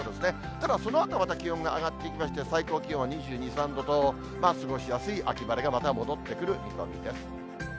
ただそのあとはまた気温が上がっていきまして、最高気温は２２、３度と、過ごしやすい秋晴れがまた戻ってくる見込みです。